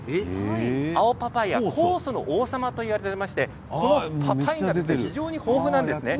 青パパイア酵素の王様と呼ばれていましてこのパパインが非常に豊富なんですね。